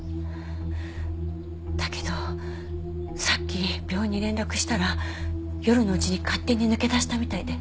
だけどさっき病院に連絡したら夜のうちに勝手に抜け出したみたいで。